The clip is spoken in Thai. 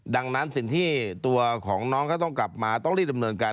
ดังนั้นสิ่งที่ตัวของน้องเขาต้องกลับมาต้องรีบดำเนินการ